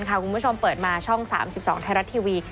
คุณผู้ชมเปิดมาช่อง๓๒ไทยรัฐทีวี